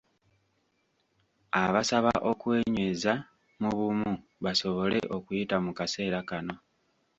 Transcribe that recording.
Abasaba okwenyweza mu bumu, basobole okuyita mu kaseera kano.